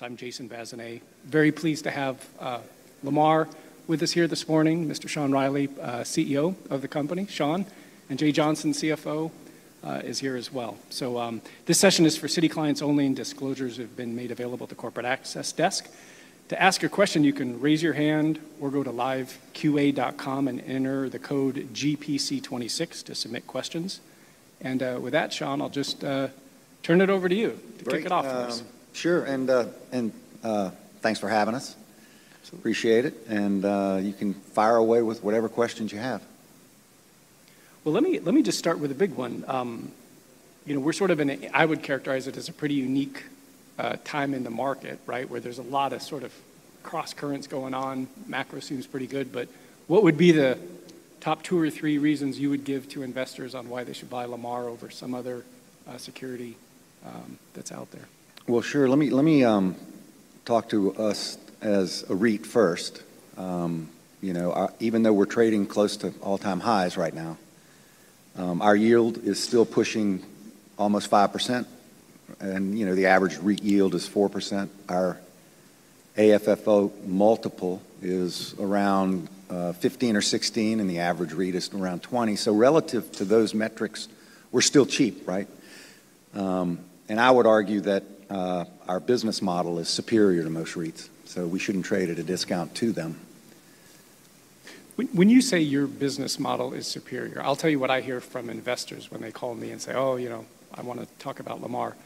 I'm Jason Bazinet. Very pleased to have Lamar with us here this morning. Mr. Sean Reilly, CEO of the company, Sean, and Jay Johnson, CFO, is here as well. This session is for Citi clients only, and disclosures have been made available at the corporate access desk. To ask a question, you can raise your hand or go to liveqa.com and enter the code GPC26 to submit questions. With that, Sean, I'll just turn it over to you to kick it off for us. Great. Sure. Thanks for having us. Appreciate it. You can fire away with whatever questions you have. Well, let me just start with a big one. You know, we're sort of in a... I would characterize it as a pretty unique time in the market, right? Where there's a lot of sort of crosscurrents going on. Macro seems pretty good. What would be the top two or three reasons you would give to investors on why they should buy Lamar over some other security that's out there? Well, sure. Let me talk to us as a REIT first. You know, even though we're trading close to all-time highs right now, our yield is still pushing almost 5%, and, you know, the average REIT yield is 4%. Our AFFO multiple is around 15 or 16, and the average REIT is around 20. Relative to those metrics, we're still cheap, right? I would argue that our business model is superior to most REITs, so we shouldn't trade at a discount to them. When you say your business model is superior, I'll tell you what I hear from investors when they call me and say, "Oh, you know, I wanna talk about Lamar."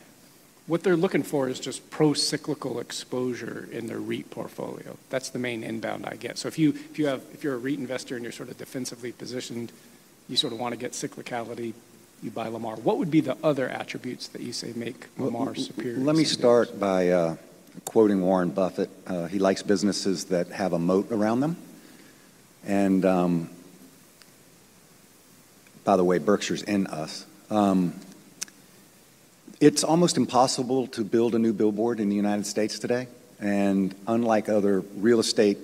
What they're looking for is just pro-cyclical exposure in their REIT portfolio. That's the main inbound I get. If you're a REIT investor and you're sort of defensively positioned, you sort of wanna get cyclicality, you buy Lamar. What would be the other attributes that you say make Lamar superior to those-? Let me start by quoting Warren Buffett. He likes businesses that have a moat around them. By the way, Berkshire's in us. It's almost impossible to build a new billboard in the United States today, and unlike other real estate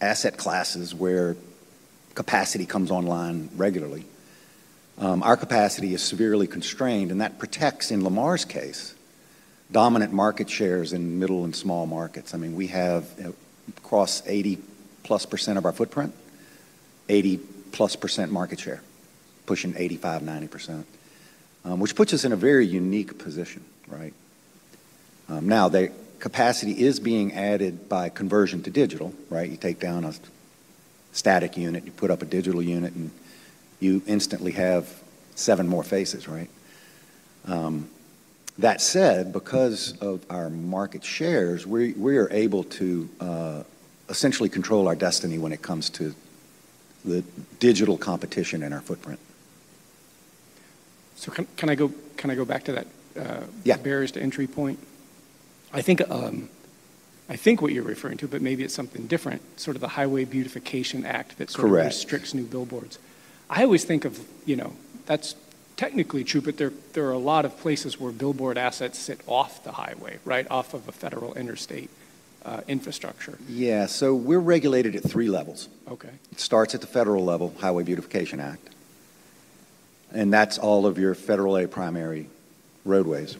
asset classes where capacity comes online regularly, our capacity is severely constrained, and that protects, in Lamar's case, dominant market shares in middle and small markets. I mean, we have across 80%+ of our footprint, 80%+ market share, pushing 85%-90%, which puts us in a very unique position, right? Now, the capacity is being added by conversion to digital, right? You take down a static unit, you put up a digital unit, and you instantly have 7 more faces, right? That said, because of our market shares, we are able to essentially control our destiny when it comes to the digital competition in our footprint. Can I go back to that? Yeah... barriers to entry point? I think, I think what you're referring to, but maybe it's something different, sort of the Highway Beautification Act that Correct... restricts new billboards. I always think of, you know, that's technically true, but there are a lot of places where billboard assets sit off the highway, right? Off of a federal interstate infrastructure. Yeah. We're regulated at three levels. Okay. It starts at the federal level, Highway Beautification Act. That's all of your federal aid primary roadways.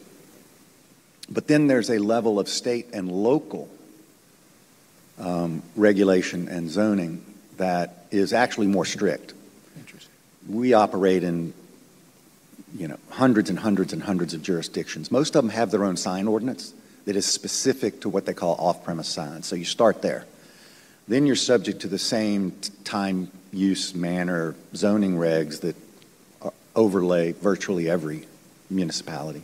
Then there's a level of state and local, regulation and zoning that is actually more strict. Interesting. We operate in, you know, hundreds and hundreds and hundreds of jurisdictions. Most of them have their own sign ordinance that is specific to what they call off-premise signs. You start there. You're subject to the same time, use, manner zoning regs that overlay virtually every municipality.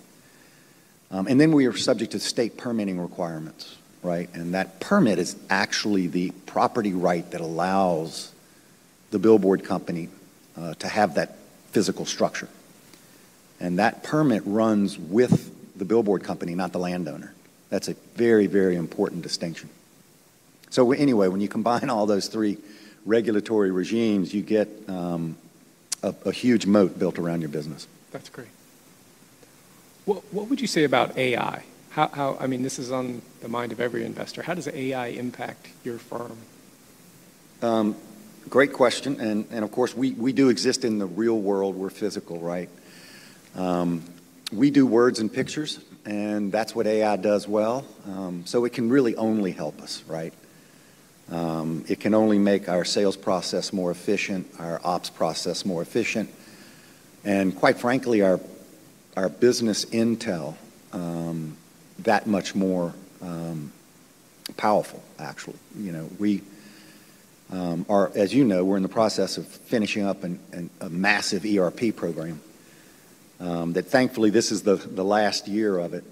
We are subject to state permitting requirements, right? That permit is actually the property right that allows the billboard company to have that physical structure. That permit runs with the billboard company, not the landowner. That's a very important distinction. Anyway, when you combine all those three regulatory regimes, you get a huge moat built around your business. That's great. What would you say about AI? I mean, this is on the mind of every investor. How does AI impact your firm? Great question. Of course, we do exist in the real world. We're physical, right? We do words and pictures, and that's what AI does well. It can really only help us, right? It can only make our sales process more efficient, our ops process more efficient, and quite frankly, our business intel that much more powerful actually. You know, we are, as you know, we're in the process of finishing up a massive ERP program that thankfully this is the last year of it.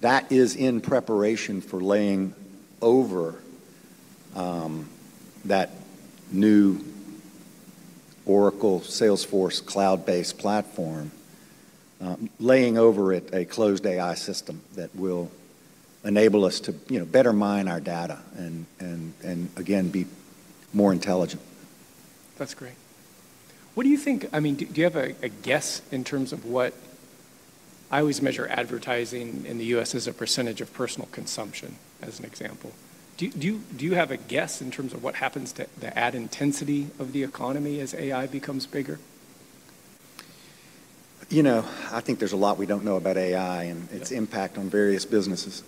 That is in preparation for laying over that new Oracle Salesforce cloud-based platform, laying over it a closed AI system that will enable us to, you know, better mine our data and again, be more intelligent. That's great. What do you think... I mean, do you have a guess in terms of what... I always measure advertising in the U.S. as a % of personal consumption, as an example. Do you have a guess in terms of what happens to the ad intensity of the economy as AI becomes bigger? You know, I think there's a lot we don't know about AI and its impact on various businesses.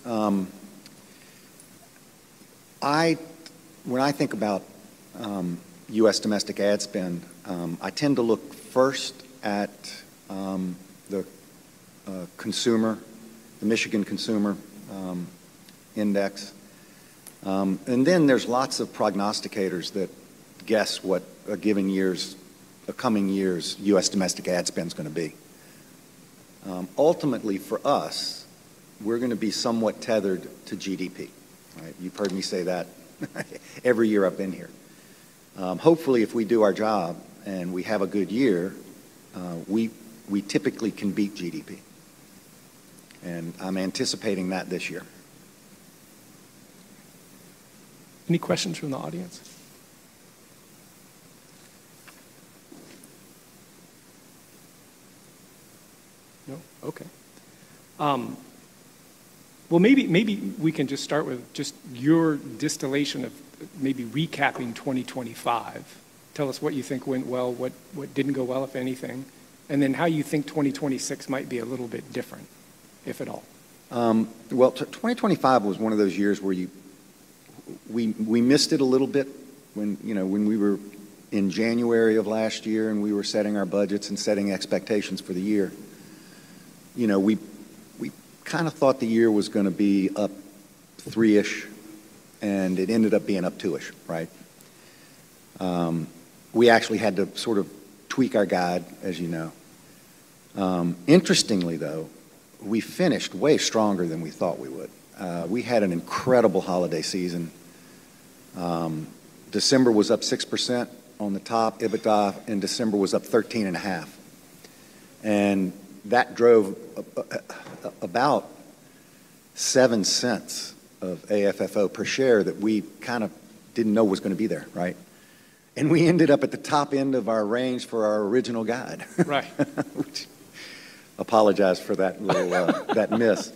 When I think about U.S. domestic ad spend, I tend to look first at the consumer, the Michigan Consumer Index. Then there's lots of prognosticators that guess what a given year's, a coming year's U.S. domestic ad spend's gonna be. Ultimately for us, we're gonna be somewhat tethered to GDP, right? You've heard me say that every year I've been here. Hopefully, if we do our job and we have a good year, we typically can beat GDP, and I'm anticipating that this year. Any questions from the audience? No? Okay. well, maybe we can just start with just your distillation of maybe recapping 2025. Tell us what you think went well, what didn't go well, if anything, then how you think 2026 might be a little bit different, if at all. Well, 2025 was one of those years where we missed it a little bit when, you know, when we were in January of last year, and we were setting our budgets and setting expectations for the year. You know, we kinda thought the year was gonna be up three-ish, and it ended up being up two-ish, right? We actually had to sort of tweak our guide, as you know. Interestingly though, we finished way stronger than we thought we would. We had an incredible holiday season. December was up 6% on the top. EBITDA in December was up 13.5%, and that drove about $0.07 of AFFO per share that we kind of didn't know was gonna be there, right? We ended up at the top end of our range for our original guide. Right. Which apologize for that little, that miss.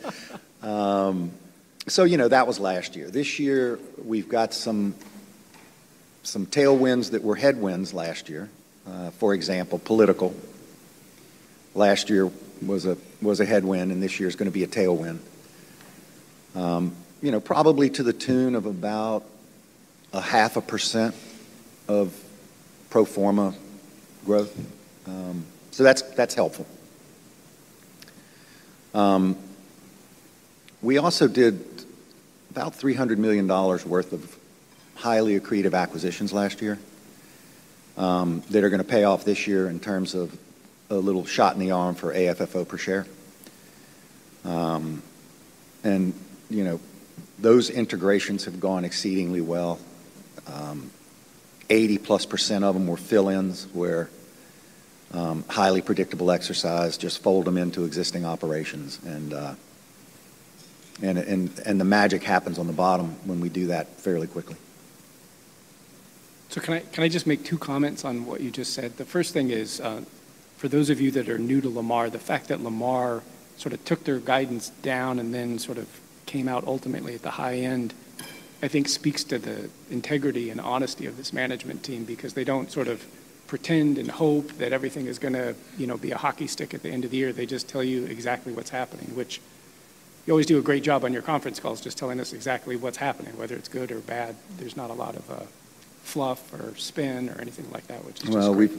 You know, that was last year. This year, we've got some tailwinds that were headwinds last year. For example, political last year was a, was a headwind, and this year's gonna be a tailwind. You know, probably to the tune of about a 0.5% of pro forma growth. That's, that's helpful. We also did about $300 million worth of highly accretive acquisitions last year, that are gonna pay off this year in terms of a little shot in the arm for AFFO per share. You know, those integrations have gone exceedingly well. 80%+ of them were fill-ins where, highly predictable exercise, just fold them into existing operations and the magic happens on the bottom when we do that fairly quickly. Can I just make two comments on what you just said? The first thing is, for those of you that are new to Lamar, the fact that Lamar sort of took their guidance down and then sort of came out ultimately at the high end, I think speaks to the integrity and honesty of this management team because they don't sort of pretend and hope that everything is gonna, you know, be a hockey stick at the end of the year. They just tell you exactly what's happening, which you always do a great job on your conference calls just telling us exactly what's happening, whether it's good or bad. There's not a lot of fluff or spin or anything like that, which is just great.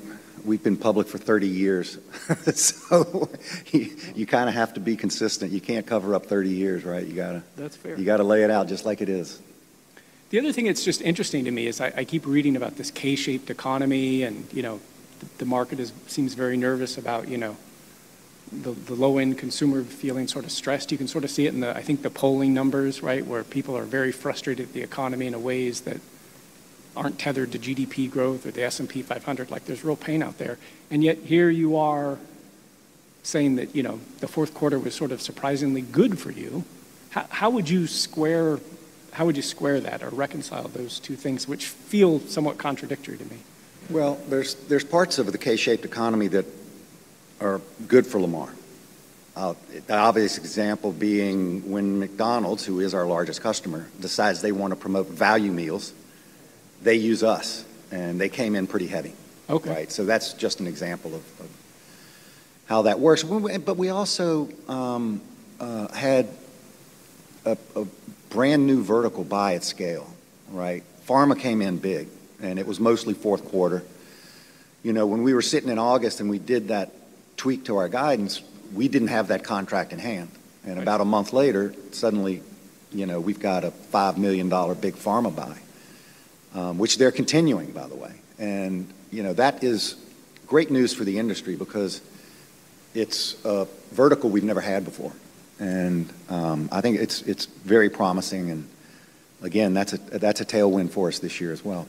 we've been public for 30 years, so you kinda have to be consistent. You can't cover up 30 years, right? You gotta- That's fair. You gotta lay it out just like it is. The other thing that's just interesting to me is I keep reading about this K-shaped economy and, you know, the market seems very nervous about, you know, the low-end consumer feeling sort of stressed. You can sort of see it in the, I think the polling numbers, right? Where people are very frustrated with the economy in ways that aren't tethered to GDP growth or the S&P 500. Like, there's real pain out there. Yet here you are saying that, you know, the fourth quarter was sort of surprisingly good for you. How would you square, how would you square that or reconcile those two things which feel somewhat contradictory to me? Well, there's parts of the K-shaped economy that are good for Lamar. The obvious example being when McDonald's, who is our largest customer, decides they wanna promote value meals, they use us, and they came in pretty heavy. Okay. Right? That's just an example of how that works. We also had a brand-new vertical buy at scale, right? Pharma came in big, and it was mostly fourth quarter. You know, when we were sitting in August and we did that tweak to our guidance, we didn't have that contract in hand, about a month later, suddenly, you know, we've got a $5 million big pharma buy, which they're continuing, by the way. You know, that is great news for the industry because it's a vertical we've never had before, and I think it's very promising and, again, that's a tailwind for us this year as well.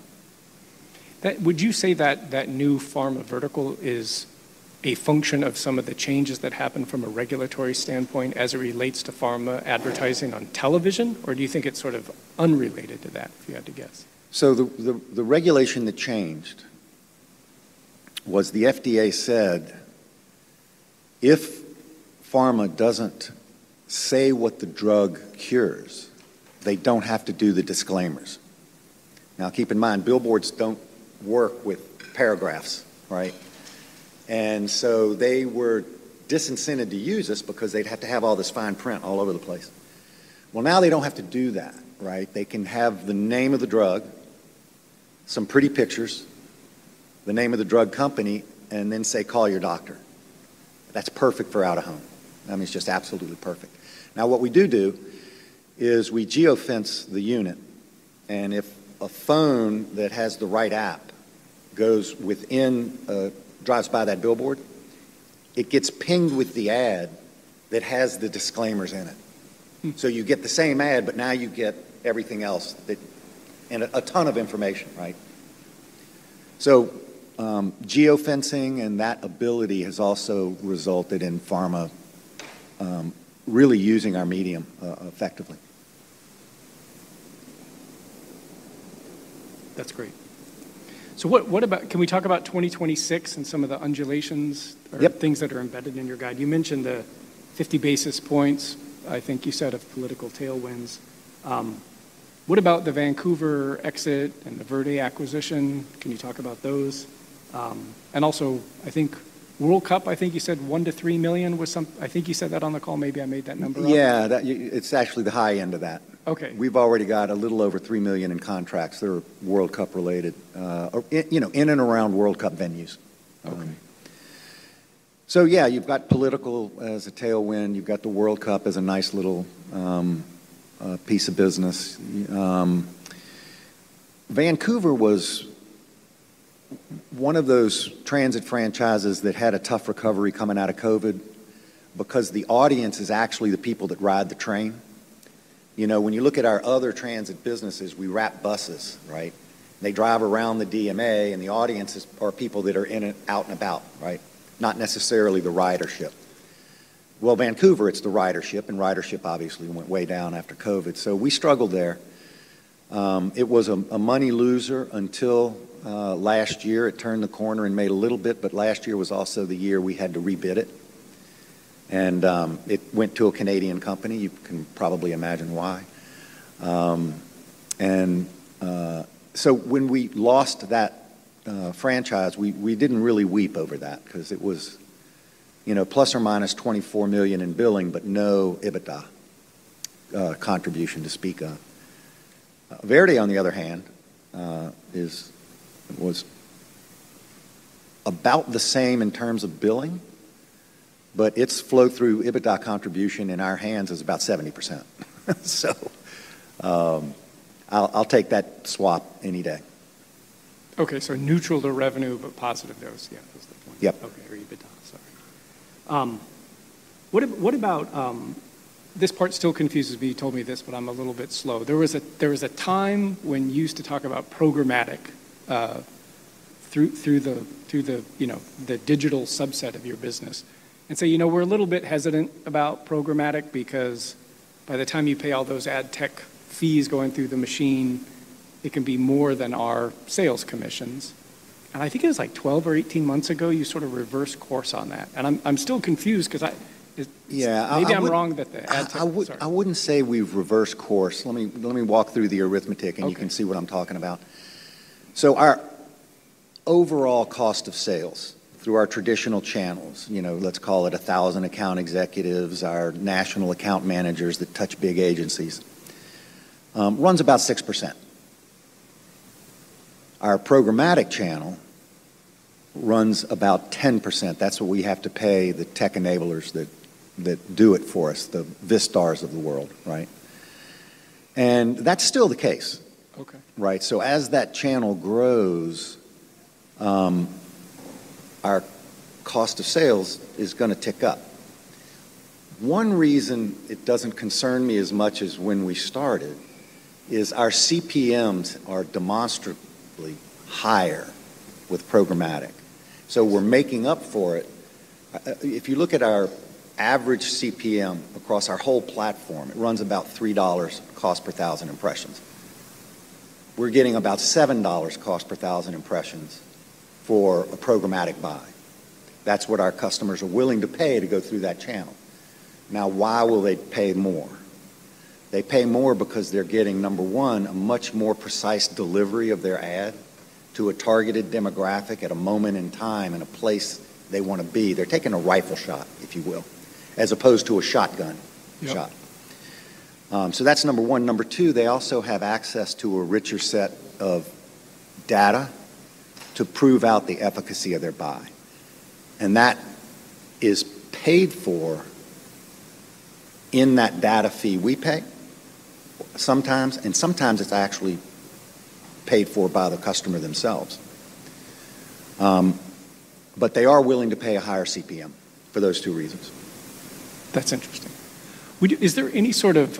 Would you say that new pharma vertical is a function of some of the changes that happened from a regulatory standpoint as it relates to pharma advertising on television? Or do you think it's sort of unrelated to that, if you had to guess? The regulation that changed was the FDA said if pharma doesn't say what the drug cures, they don't have to do the disclaimers. Now keep in mind, billboards don't work with paragraphs, right? They were disincented to use us because they'd have to have all this fine print all over the place. Now they don't have to do that, right? They can have the name of the drug, some pretty pictures, the name of the drug company, and then say, "Call your doctor." That's perfect for out-of-home. I mean, it's just absolutely perfect. Now what we do is we geofence the unit, and if a phone that has the right app goes within, drives by that billboard, it gets pinged with the ad that has the disclaimers in it. You get the same ad, but now you get everything else that... A ton of information, right? Geofencing and that ability has also resulted in pharma really using our medium effectively. That's great. What about... Can we talk about 2026 and some of the undulations? Yep... or things that are embedded in your guide? You mentioned the 50 basis points, I think you said, of political tailwinds. What about the Vancouver exit and the Verde acquisition? Can you talk about those? Also, I think World Cup, I think you said $1 million-$3 million. I think you said that on the call. Maybe I made that number up. Yeah. That it's actually the high end of that. Okay. We've already got a little over $3 million in contracts that are World Cup related, or you know, in and around World Cup venues. Okay. Yeah, you've got political as a tailwind. You've got the FIFA World Cup as a nice little piece of business. Vancouver was one of those transit franchises that had a tough recovery coming out of COVID because the audience is actually the people that ride the train. You know, when you look at our other transit businesses, we wrap buses, right? They drive around the DMA, and the audiences are people that are in it, out and about, right? Not necessarily the ridership. Well, Vancouver, it's the ridership, and ridership obviously went way down after COVID. We struggled there. It was a money loser until last year. Last year was also the year we had to rebid it. It went to a Canadian company. You can probably imagine why. When we lost that franchise, we didn't really weep over that because it was, you know, ±$24 million in billing, but no EBITDA contribution to speak of. Verde, on the other hand, was about the same in terms of billing, but its flow through EBITDA contribution in our hands is about 70%. I'll take that swap any day. Okay. Neutral to revenue, but positive there was, yeah, was the point. Yep. Okay. EBITDA, sorry. What about this part still confuses me? You told me this, but I'm a little bit slow. There was a time when you used to talk about programmatic through the, you know, the digital subset of your business and say, "You know, we're a little bit hesitant about programmatic because by the time you pay all those ad tech fees going through the machine, it can be more than our sales commissions." I think it was like 12 or 18 months ago, you sort of reversed course on that. I'm still confused 'cause I. Yeah. I. Maybe I'm wrong that the ad tech... Sorry. I wouldn't say we've reversed course. Let me walk through the arithmetic. Okay... and you can see what I'm talking about. Our overall cost of sales through our traditional channels, you know, let's call it 1,000 account executives, our national account managers that touch big agencies, runs about 6%. Our programmatic channel runs about 10%. That's what we have to pay the tech enablers that do it for us, the Vistars of the world, right? That's still the case. Okay. Right? As that channel grows, our cost of sales is gonna tick up. One reason it doesn't concern me as much as when we started is our CPMs are demonstrably higher with programmatic. We're making up for it. If you look at our average CPM across our whole platform, it runs about $3 cost per thousand impressions. We're getting about $7 cost per thousand impressions for a programmatic buy. That's what our customers are willing to pay to go through that channel. Now, why will they pay more? They pay more because they're getting, number one, a much more precise delivery of their ad to a targeted demographic at a moment in time in a place they wanna be. They're taking a rifle shot, if you will, as opposed to a shotgun shot. Yep. That's number one. Number two, they also have access to a richer set of data to prove out the efficacy of their buy, and that is paid for in that data fee we pay sometimes, and sometimes it's actually paid for by the customer themselves. They are willing to pay a higher CPM for those two reasons. That's interesting. Is there any sort of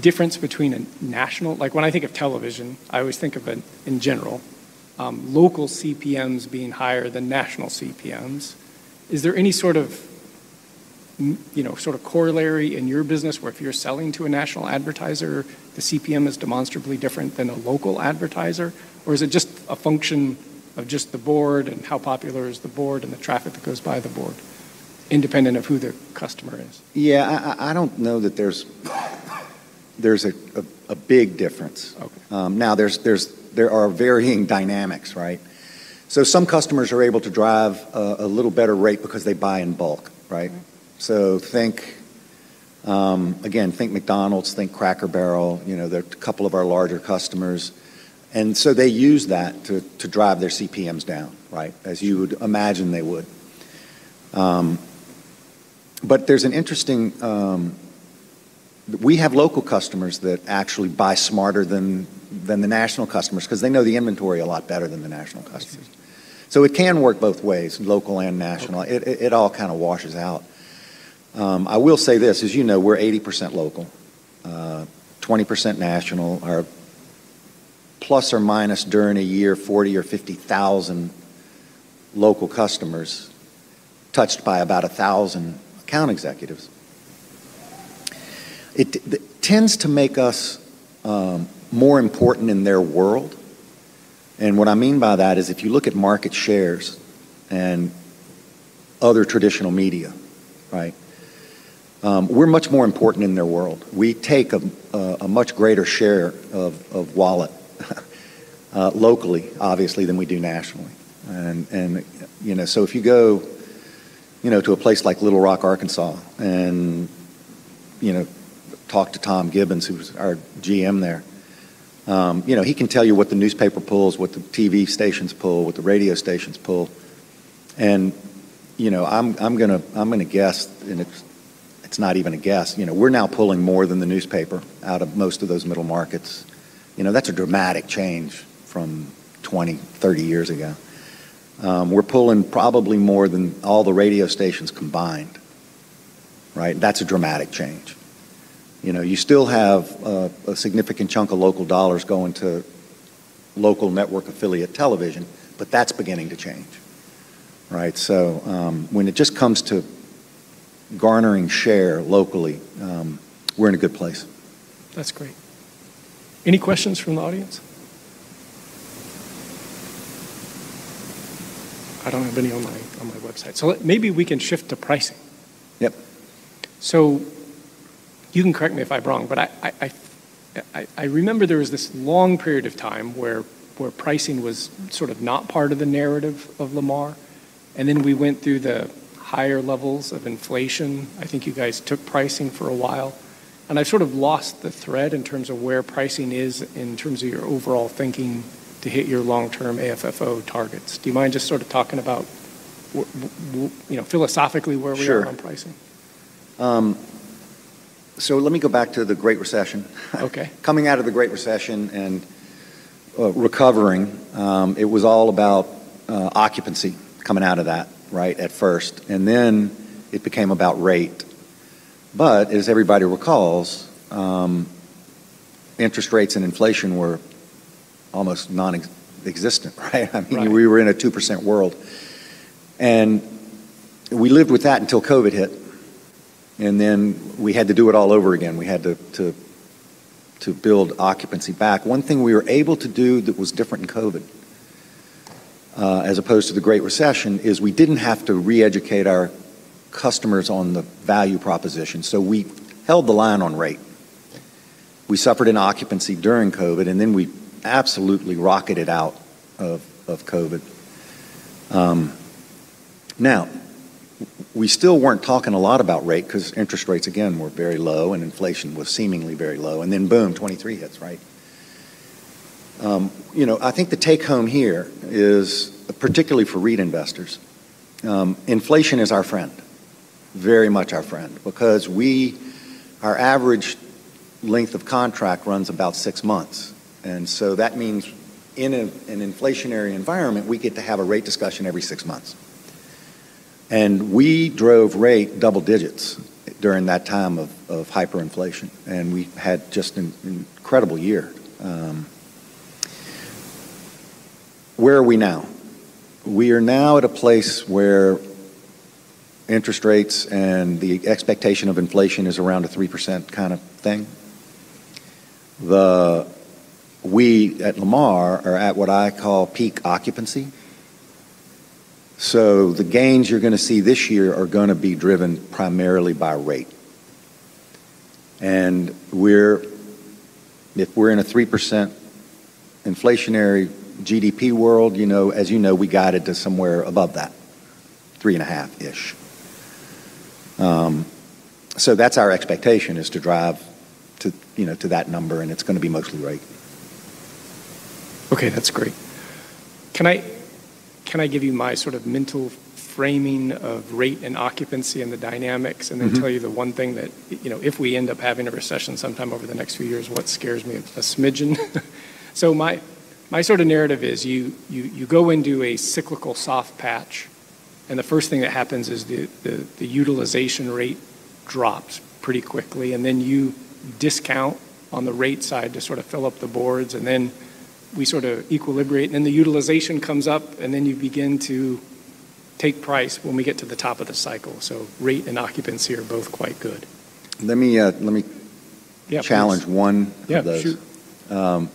difference between a national... Like when I think of television, I always think of a, in general, local CPMs being higher than national CPMs. Is there any sort of you know, sort of corollary in your business where if you're selling to a national advertiser, the CPM is demonstrably different than a local advertiser? Or is it just a function of just the board and how popular is the board and the traffic that goes by the board? Independent of who their customer is? Yeah, I don't know that there's a big difference. Okay. Now there are varying dynamics, right? Some customers are able to drive a little better rate because they buy in bulk, right? Mm-hmm. Think, again, think McDonald's, think Cracker Barrel, you know, they're couple of our larger customers, they use that to drive their CPMs down, right? As you would imagine they would. We have local customers that actually buy smarter than the national customers because they know the inventory a lot better than the national customers. It can work both ways, local and national. Okay. It all kinda washes out. I will say this, as you know, we're 80% local, 20% national, or plus or minus during a year, 40,000 or 50,000 local customers touched by about 1,000 account executives. It tends to make us more important in their world. What I mean by that is if you look at market shares and other traditional media, right? We're much more important in their world. We take a much greater share of wallet, locally, obviously, than we do nationally. You know, if you go, you know, to a place like Little Rock, Arkansas, and, you know, talk to Tom Gibbons, who's our GM there, you know, he can tell you what the newspaper pulls, what the TV stations pull, what the radio stations pull. You know, I'm gonna guess, and it's not even a guess. You know, we're now pulling more than the newspaper out of most of those middle markets. You know, that's a dramatic change from 20, 30 years ago. We're pulling probably more than all the radio stations combined, right? That's a dramatic change. You know, you still have a significant chunk of local dollars going to local network affiliate television, but that's beginning to change, right? When it just comes to garnering share locally, we're in a good place. That's great. Any questions from the audience? I don't have any on my, on my website. Maybe we can shift to pricing. Yep. You can correct me if I'm wrong, but I remember there was this long period of time where pricing was sort of not part of the narrative of Lamar, and then we went through the higher levels of inflation. I think you guys took pricing for a while, and I sort of lost the thread in terms of where pricing is in terms of your overall thinking to hit your long-term AFFO targets. Do you mind just sort of talking about you know, philosophically where we are? Sure ...on pricing? Let me go back to the Great Recession. Okay. Coming out of the Great Recession and recovering, it was all about occupancy coming out of that, right, at first, and then it became about rate. As everybody recalls, interest rates and inflation were almost nonexistent, right? Right ...we were in a 2% world, we lived with that until COVID hit, then we had to do it all over again. We had to build occupancy back. One thing we were able to do that was different in COVID, as opposed to the Great Recession, is we didn't have to re-educate our customers on the value proposition. We held the line on rate. We suffered in occupancy during COVID, then we absolutely rocketed out of COVID. Now we still weren't talking a lot about rate because interest rates, again, were very low and inflation was seemingly very low, then boom, '23 hits, right? You know, I think the take-home here is, particularly for REIT investors, inflation is our friend, very much our friend because our average length of contract runs about six months, that means in an inflationary environment, we get to have a rate discussion every six months. We drove rate double digits during that time of hyperinflation, we had just an incredible year. Where are we now? We are now at a place where interest rates and the expectation of inflation is around a 3% kind of thing. We, at Lamar, are at what I call peak occupancy. The gains you're going to see this year are going to be driven primarily by rate. If we're in a 3% inflationary GDP world, you know, as you know, we got it to somewhere above that, three and a half-ish. That's our expectation, is to drive to, you know, to that number, and it's gonna be mostly rate. Okay, that's great. Can I give you my sort of mental framing of rate and occupancy and the dynamics? Mm-hmm ...and then tell you the one thing that, you know, if we end up having a recession sometime over the next few years, what scares me a smidgen? My sort of narrative is you go into a cyclical soft patch, and the first thing that happens is the utilization rate drops pretty quickly, and then you discount on the rate side to sort of fill up the boards, and then we sort of equilibrate, and then the utilization comes up, and then you begin to take price when we get to the top of the cycle. Rate and occupancy are both quite good. Let me challenge one of those. Yeah,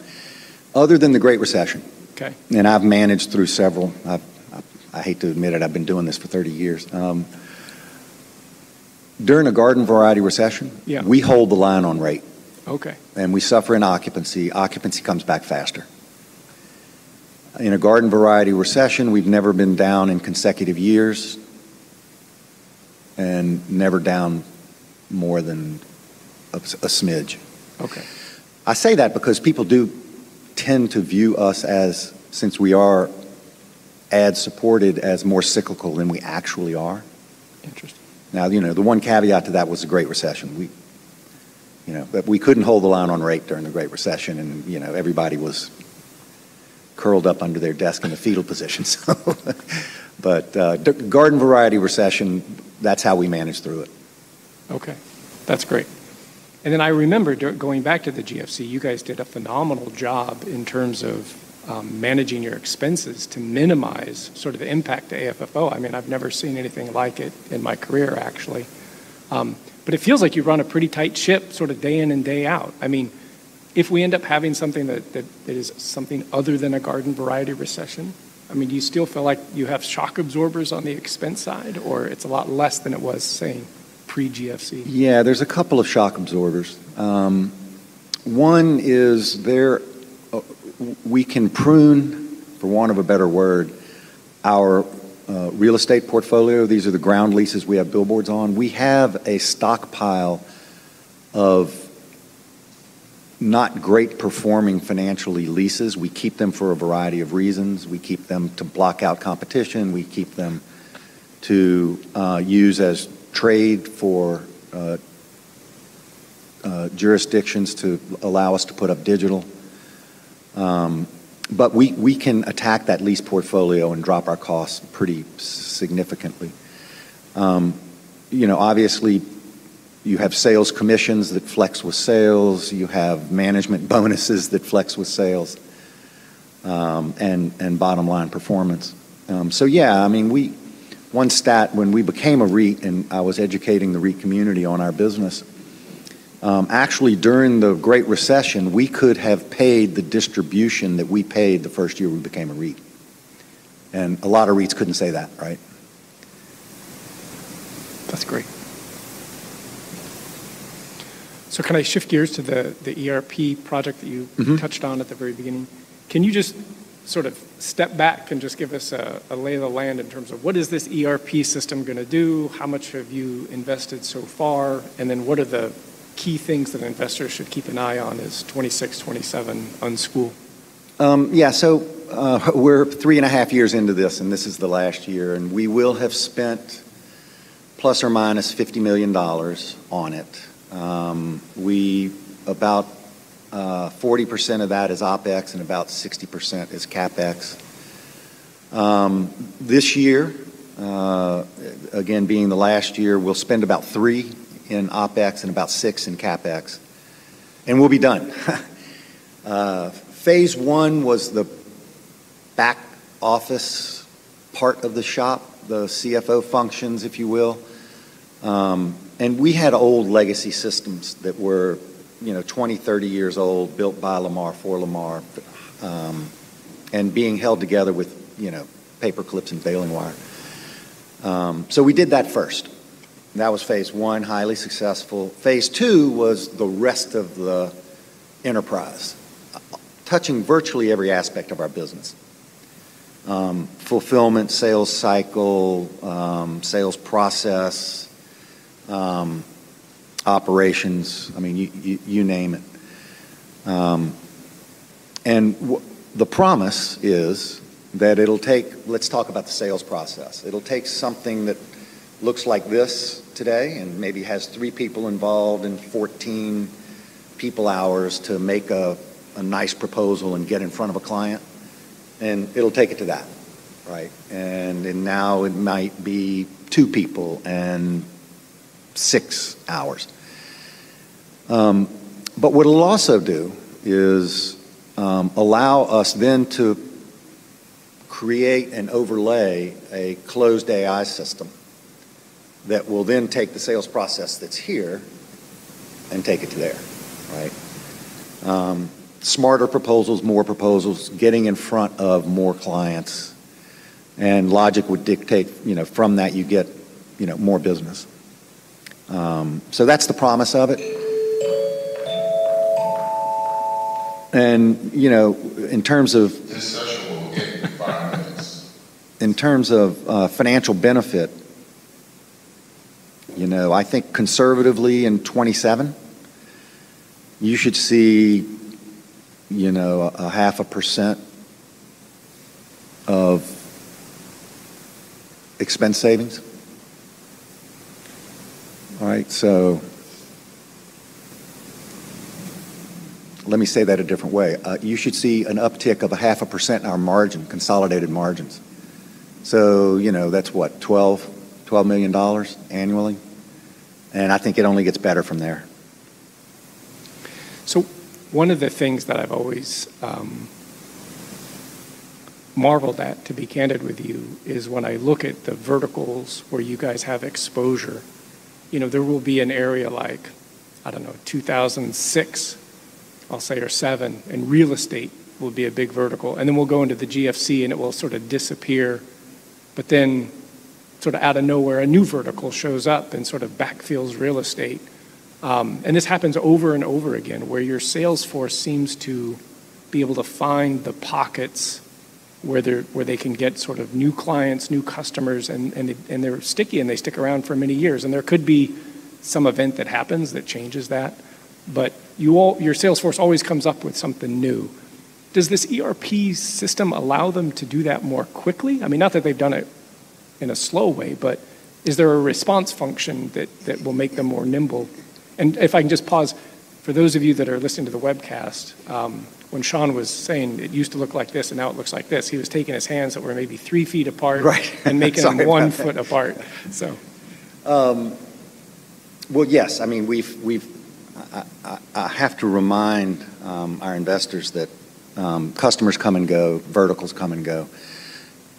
sure. other than the Great Recession. Okay. I've managed through several. I hate to admit it, I've been doing this for 30 years. during a garden variety recession- Yeah we hold the line on rate. Okay. We suffer in occupancy. Occupancy comes back faster. In a garden variety recession, we've never been down in consecutive years and never down more than a smidge. Okay. I say that because people do tend to view us as, since we are ad-supported, as more cyclical than we actually are. Interesting. Now, you know, the one caveat to that was the Great Recession. We couldn't hold the line on rate during the Great Recession and, you know, everybody was curled up under their desk in the fetal position, so but, the garden variety recession, that's how we manage through it. Okay. That's great. I remember going back to the GFC, you guys did a phenomenal job in terms of managing your expenses to minimize sort of the impact to AFFO. I mean, I've never seen anything like it in my career, actually. It feels like you run a pretty tight ship sort of day in and day out. I mean, if we end up having something that is something other than a garden variety recession, I mean, do you still feel like you have shock absorbers on the expense side, or it's a lot less than it was, say, pre-GFC? Yeah. There's a couple of shock absorbers. One is we can prune, for want of a better word, our real estate portfolio. These are the ground leases we have billboards on. We have a stockpile of not great performing financially leases. We keep them for a variety of reasons. We keep them to block out competition. We keep them to use as trade for jurisdictions to allow us to put up digital. We can attack that lease portfolio and drop our costs pretty significantly. You know, obviously, you have sales commissions that flex with sales. You have management bonuses that flex with sales, and bottom line performance. Yeah, I mean, one stat when we became a REIT, and I was educating the REIT community on our business, actually, during the Great Recession, we could have paid the distribution that we paid the first year we became a REIT. A lot of REITs couldn't say that, right? That's great. Can I shift gears to the ERP project that you-? Mm-hmm... touched on at the very beginning? Can you just sort of step back and just give us a lay of the land in terms of what is this ERP system gonna do? How much have you invested so far? What are the key things that investors should keep an eye on as 2026, 2027 unschool? Yeah. We're three and a half years into this, and this is the last year, and we will have spent ±$50 million on it. About 40% of that is OpEx, and about 60% is CapEx. This year, again, being the last year, we'll spend about $3 million in OpEx and about $6 million in CapEx, and we'll be done. Phase one was the back-office part of the shop, the CFO functions, if you will. We had old legacy systems that were, you know, 20, 30 years old, built by Lamar, for Lamar, and being held together with, you know, paperclips and bailing wire. We did that first. That was phase one, highly successful. Phase two was the rest of the enterprise, touching virtually every aspect of our business. Fulfillment, sales cycle, sales process, operations. I mean, you, you name it. The promise is that it'll take... Let's talk about the sales process. It'll take something that looks like this today and maybe has three people involved and 14 people hours to make a nice proposal and get in front of a client, and it'll take it to that, right? Now it might be two people and six hours. What it'll also do is allow us then to create and overlay a closed AI system that will then take the sales process that's here and take it to there, right? Smarter proposals, more proposals, getting in front of more clients, and logic would dictate, you know, from that you get, you know, more business. That's the promise of it. You know, this session will end in five minutes. In terms of financial benefit, you know, I think conservatively in 2027, you should see, you know, a half a % of expense savings. All right. Let me say that a different way. You should see an uptick of a half a % in our margin, consolidated margins. You know, that's what? $12 million annually. I think it only gets better from there. One of the things that I've always marvel that, to be candid with you, is when I look at the verticals where you guys have exposure, you know, there will be an area like, I don't know, 2006, I'll say, or seven, and real estate will be a big vertical. Then we'll go into the GFC and it will sort of disappear. Then sort of out of nowhere, a new vertical shows up and sort of backfills real estate. This happens over and over again, where your sales force seems to be able to find the pockets where they can get sort of new clients, new customers, and they're sticky, and they stick around for many years. There could be some event that happens that changes that. your sales force always comes up with something new. Does this ERP system allow them to do that more quickly? I mean, not that they've done it in a slow way, but is there a response function that will make them more nimble? And if I can just pause, for those of you that are listening to the webcast, when Sean was saying it used to look like this and now it looks like this, he was taking his hands that were maybe 3 ft apart. Right. Sorry about that.... and making them one foot apart, so. Well, yes. I mean, we've I have to remind our investors that customers come and go, verticals come and go.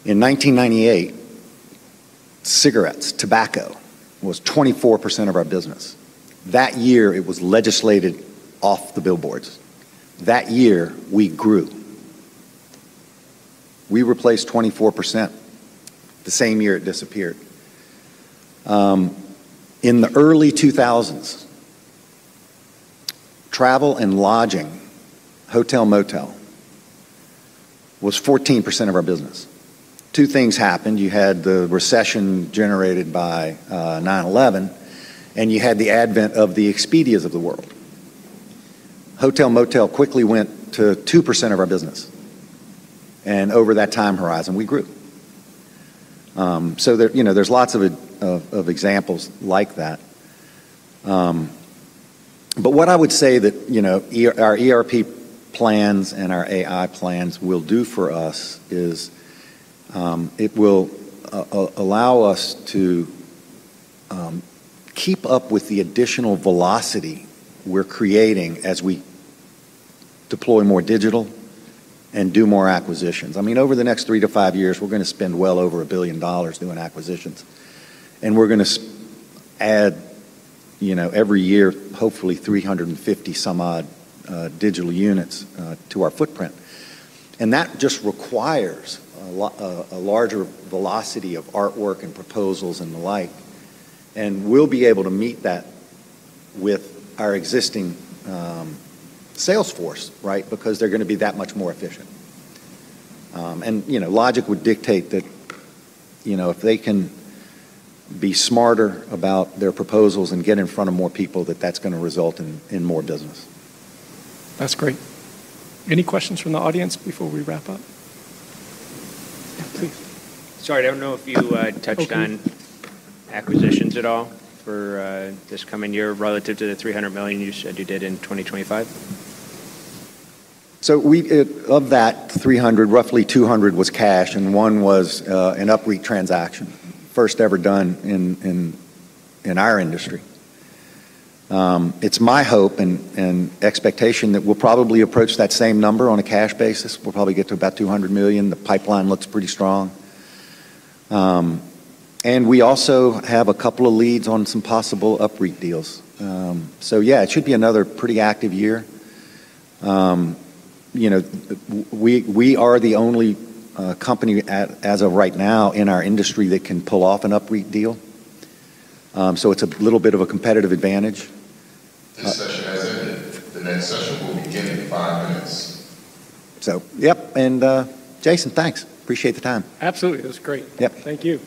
In 1998, cigarettes, tobacco was 24% of our business. That year it was legislated off the billboards. That year we grew. We replaced 24% the same year it disappeared. In the early 2000s, travel and lodging, hotel, motel was 14% of our business. Two things happened. You had the recession generated by 9/11, and you had the advent of the Expedias of the world. Hotel, motel quickly went to 2% of our business, and over that time horizon we grew. There, you know, there's lots of of examples like that. But what I would say that, you know, our ERP plans and our AI plans will do for us is, it will allow us to keep up with the additional velocity we're creating as we deploy more digital and do more acquisitions. I mean, over the next 3 to 5 years, we're gonna spend well over $1 billion doing acquisitions, and we're gonna add, you know, every year, hopefully 350 some odd digital units to our footprint. That just requires a larger velocity of artwork and proposals and the like. We'll be able to meet that with our existing sales force, right? Because they're gonna be that much more efficient. You know, logic would dictate that, you know, if they can be smarter about their proposals and get in front of more people, that that's gonna result in more business. That's great. Any questions from the audience before we wrap up? Yeah, please. Sorry, I don't know if you touched on. Okay... acquisitions at all for this coming year relative to the $300 million you said you did in 2025. We of that $300, roughly $200 was cash, and $100 was an UPREIT transaction, first ever done in, in our industry. It's my hope and expectation that we'll probably approach that same number on a cash basis. We'll probably get to about $200 million. The pipeline looks pretty strong. And we also have a couple of leads on some possible UPREIT deals. Yeah, it should be another pretty active year. You know, we are the only company at, as of right now in our industry that can pull off an UPREIT deal. It's a little bit of a competitive advantage. This session has ended. The next session will begin in five minutes. Yep, and, Jason, thanks. Appreciate the time. Absolutely. It was great. Yep. Thank you.